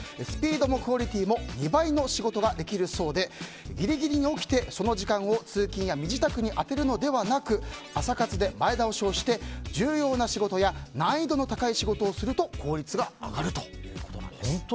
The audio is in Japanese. スピードもクオリティーも２倍の仕事ができるそうでギリギリに起きてその時間を通勤や身支度に充てるのではなく朝活で前倒しをして重要な仕事や難易度の高い仕事をすると効率が上がるということなんです。